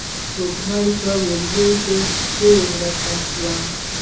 سپوږمۍ پۀ وريځو کښې ورکه شوه